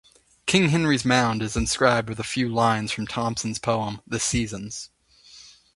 King Henry's Mound is inscribed with a few lines from Thomson's poem "The Seasons".